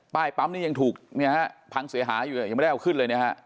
ปั๊มนี้ยังถูกเนี่ยฮะพังเสียหายอยู่ยังไม่ได้เอาขึ้นเลยนะฮะ